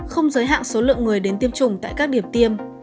không giới hạn số lượng người đến tiêm chủng tại các điểm tiêm